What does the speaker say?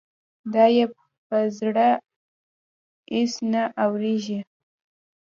دا يې په زړه اېڅ نه اوارېږي.